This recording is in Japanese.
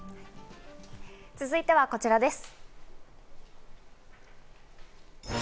続いては、こちらです。